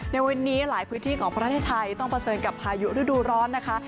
ในวันนี้หลายพื้นที่ของประเทศไทยต้องเผชิญกับพายุฤดูร้อนนะคะ